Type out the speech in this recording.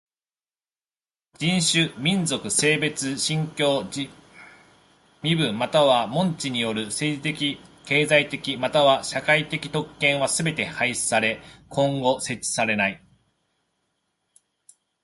人種、民族、性別、信教、身分または門地による政治的経済的または社会的特権はすべて廃止され今後設置されえない。